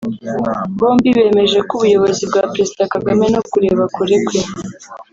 bombi bemeje ko ubuyobozi bwa Perezida Kagame no kureba kure kwe